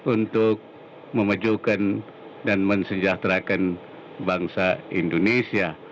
untuk memajukan dan mensejahterakan bangsa indonesia